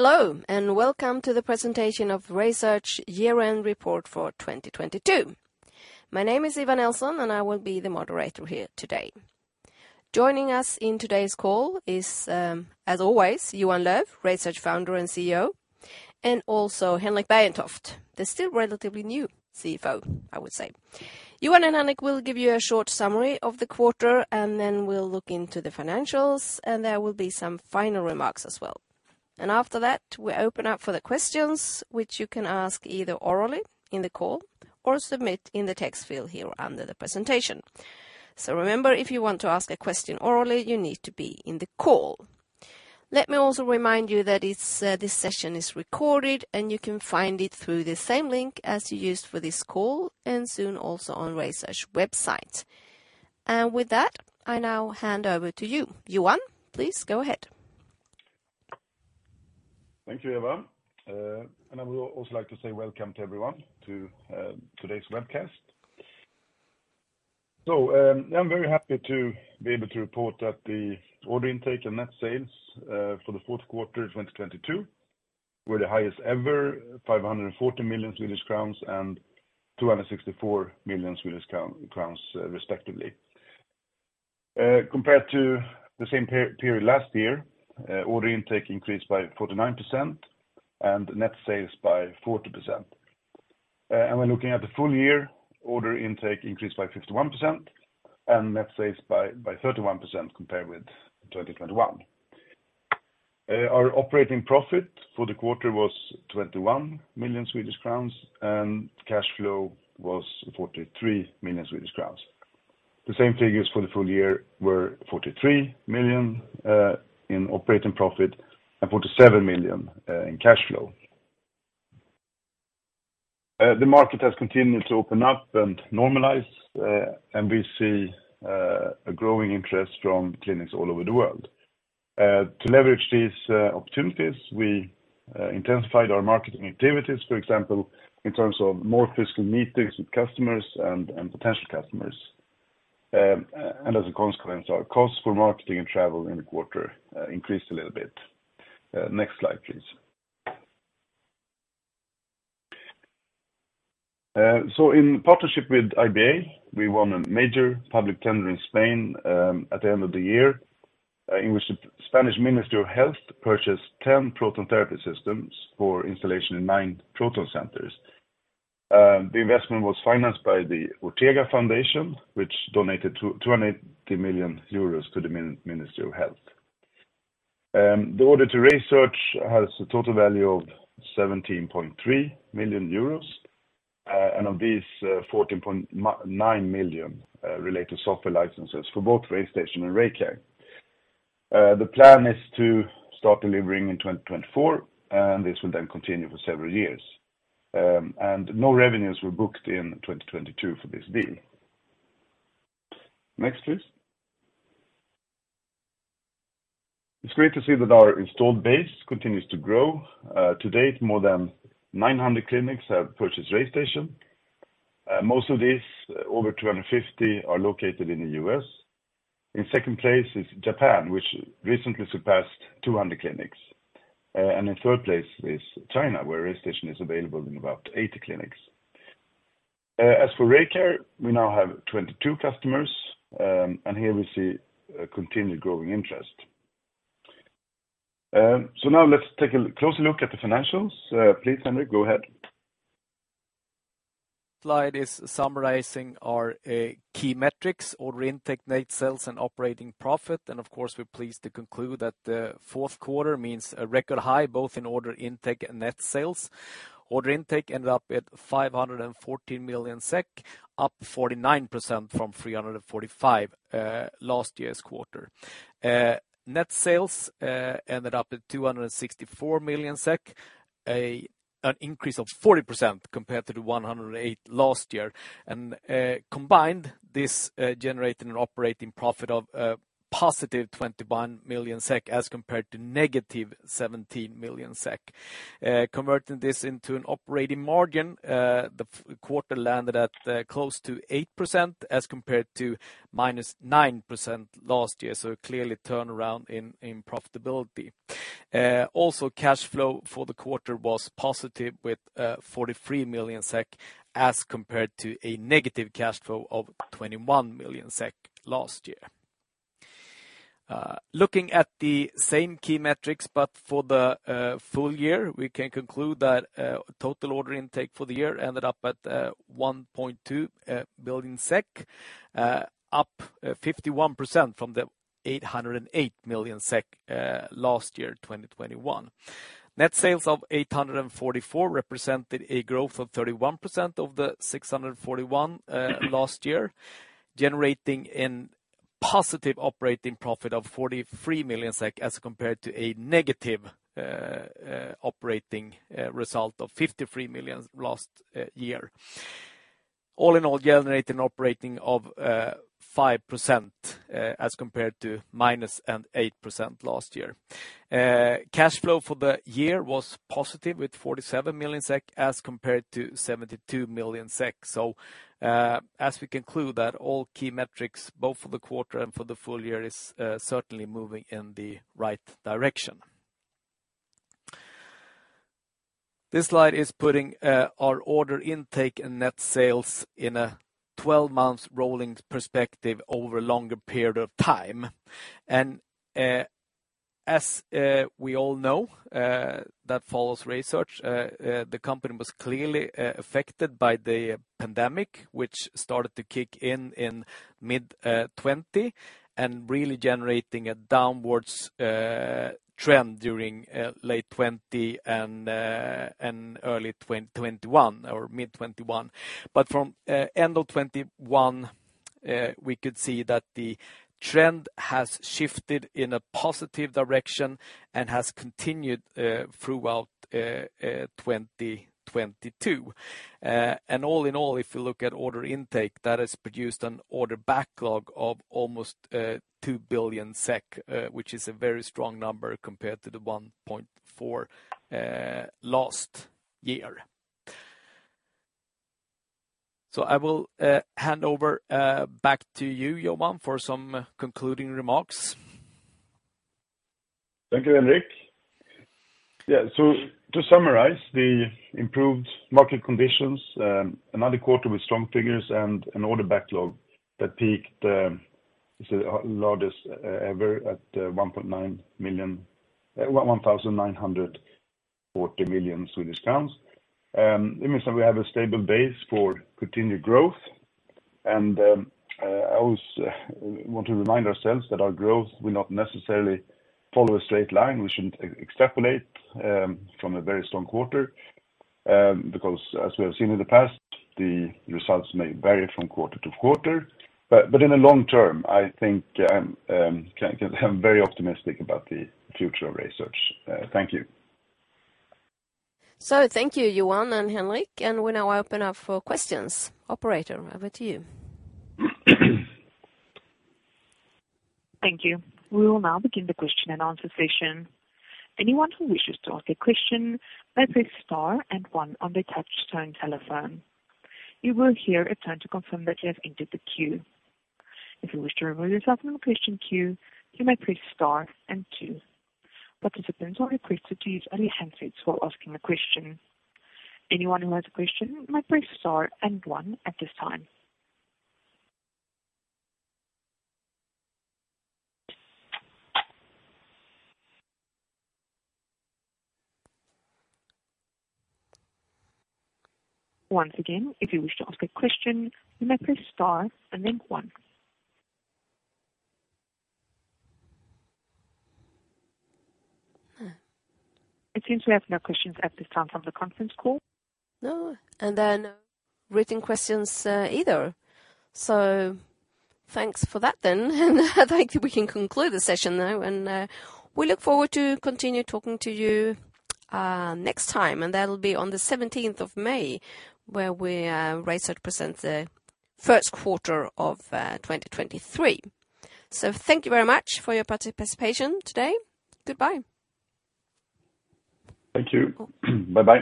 Hello, welcome to the presentation of RaySearch Year-End Report for 2022. My name is Eva Nelson, and I will be the moderator here today. Joining us in today's call is, as always, Johan Löf, RaySearch Founder and CEO, and also Henrik Bergentoft. They're still relatively new CFO, I would say. Johan and Henrik will give you a short summary of the quarter, and then we'll look into the financials, and there will be some final remarks as well. After that, we open up for the questions which you can ask either orally in the call or submit in the text field here under the presentation. Remember, if you want to ask a question orally, you need to be in the call. Let me also remind you that it's, this session is recorded, and you can find it through the same link as you used for this call, and soon also on RaySearch website. With that, I now hand over to you. Johan, please go ahead. I would also like to say welcome to everyone to today's webcast. I'm very happy to be able to report that the order intake and net sales for the fourth quarter of 2022 were the highest ever, 540 million Swedish crowns and 264 million Swedish crowns, respectively. Compared to the same period last year, order intake increased by 49% and net sales by 40%. Looking at the full year, order intake increased by 51% and net sales by 31% compared with 2021. Our operating profit for the quarter was 21 million Swedish crowns, and cash flow was 43 million Swedish crowns. The same figures for the full year were 43 million in operating profit and 47 million in cash flow. The market has continued to open up and normalize, and we see a growing interest from clinics all over the world. To leverage these opportunities, we intensified our marketing activities, for example, in terms of more physical meetings with customers and potential customers. And as a consequence, our cost for marketing and travel in the quarter increased a little bit. Next slide, please. In partnership with IBA, we won a major public tender in Spain at the end of the year, in which the Spanish Ministry of Health purchased 10 proton therapy systems for installation in nine proton centers. The investment was financed by the Ortega Foundation, which donated 280 million euros to the Ministry of Health. The order to RaySearch has a total value of 17.3 million euros, and of these, 14.9 million relate to software licenses for both RayStation and RayCare. The plan is to start delivering in 2024, and this will then continue for several years. No revenues were booked in 2022 for this deal. Next, please. It's great to see that our installed base continues to grow. To date, more than 900 clinics have purchased RayStation. Most of these, over 250 are located in the U.S. In second place is Japan, which recently surpassed 200 clinics. In third place is China, where RayStation is available in about 80 clinics. As for RayCare, we now have 22 customers, and here we see a continued growing interest. Now let's take a closer look at the financials. Please, Henrik, go ahead. Slide is summarizing our key metrics, order intake, net sales, and operating profit. Of course, we're pleased to conclude that the fourth quarter means a record high, both in order intake and net sales. Order intake ended up at 514 million SEK, up 49% from 345 million last year's quarter. Net sales ended up at 264 million SEK, an increase of 40% compared to 108 million last year. Combined, this generated an operating profit of +21 million SEK as compared to -17 million SEK. Converting this into an operating margin, the quarter landed at close to 8% as compared to -9% last year. Clearly turnaround in profitability. Also, cash flow for the quarter was positive with 43 million SEK as compared to a negative cash flow of 21 million SEK last year. Looking at the same key metrics, but for the full year, we can conclude that total order intake for the year ended up at 1.2 billion SEK, up 51% from the 808 million SEK last year, 2021. Net sales of 844 million represented a growth of 31% of the 641 million last year, generating a positive operating profit of 43 million SEK as compared to a negative operating result of 53 million last year. All in all, generating operating of 5% as compared to -8% last year. Cash flow for the year was positive with 47 million SEK as compared to 72 million SEK. As we conclude that all key metrics, both for the quarter and for the full year, is certainly moving in the right direction. This slide is putting our order intake and net sales in a 12-month rolling perspective over a longer period of time. As we all know, that follows RaySearch, the company was clearly affected by the pandemic, which started to kick in mid 2020, and really generating a downwards trend during late 2020 and early 2021 or mid 2021. From end of 2021, we could see that the trend has shifted in a positive direction and has continued throughout 2022. All in all, if you look at order intake, that has produced an order backlog of almost 2 billion SEK, which is a very strong number compared to the 1.4 billion last year. I will hand over back to you, Johan, for some concluding remarks. Thank you, Henrik. Yeah. To summarize, the improved market conditions, another quarter with strong figures and an order backlog that peaked, is the largest ever at 1,940 million Swedish crowns. It means that we have a stable base for continued growth. I always want to remind ourselves that our growth will not necessarily follow a straight line. We shouldn't extrapolate from a very strong quarter, because as we have seen in the past, the results may vary from quarter to quarter. In the long term, I think I'm very optimistic about the future of RaySearch. Thank you. Thank you, Johan and Henrik, and we now open up for questions. Operator, over to you. Thank you. We will now begin the question and answer session. Anyone who wishes to ask a question may press star and one on their touch-tone telephone. You will hear a tone to confirm that you have entered the queue. If you wish to remove yourself from the question queue, you may press star and two. Participants are requested to use only handsets while asking a question. Anyone who has a question may press star and one at this time. Once again, if you wish to ask a question, you may press star and then one. It seems we have no questions at this time from the conference call. No written questions, either. Thanks for that then. I think we can conclude the session now, and we look forward to continue talking to you next time, and that'll be on the 17th of May, where we RaySearch present the first quarter of 2023. Thank you very much for your participation today. Goodbye. Thank you. Bye-bye.